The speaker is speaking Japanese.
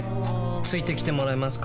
付いてきてもらえますか？